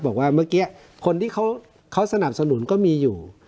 บอกว่าเมื่อกี้คนที่เขาสนับสนุนก็มีอยู่